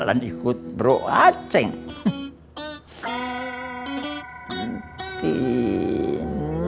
jalan jalan jalan